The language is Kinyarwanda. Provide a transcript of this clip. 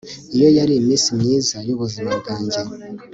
iyo yari iminsi myiza y'ubuzima bwanjye